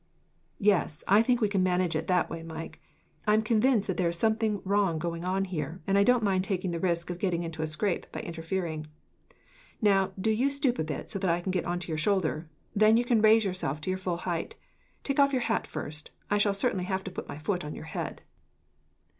"Yes, I think we can manage it that way, Mike. I am convinced that there is something wrong going on here, and I don't mind taking the risk of getting into a scrape by interfering. Now do you stoop a bit, so that I can get on to your shoulder; then you can raise yourself to your full height. Take off your hat, first. I shall certainly have to put my foot on your head."